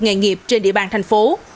nghề nghiệp trên địa bàn thành phố